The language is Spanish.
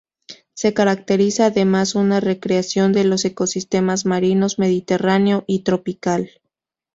Se caracteriza además una recreación de los ecosistemas marinos mediterráneo y tropical.